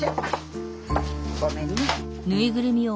ごめんね。